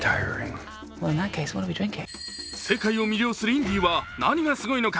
世界を魅了するインディは何がすごいのか。